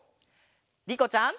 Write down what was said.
りこちゃん。